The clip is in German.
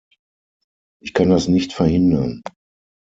Ich kann das nicht verhindern.